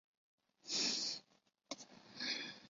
湖南黄花稔为锦葵科黄花稔属下的一个种。